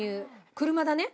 車だね。